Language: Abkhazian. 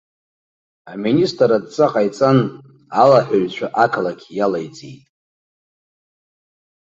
Аминистр адҵа ҟаиҵан, алаҳәаҩцәа ақалақь иалеиҵеит.